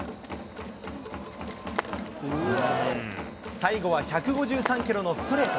最後は１５３キロのストレート。